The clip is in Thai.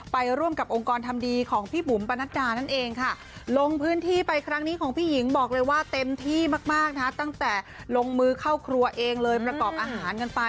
ไปร่วมกับองค์กรทำดีของพี่บุ๋มปรณัชดานั่นเองค่ะ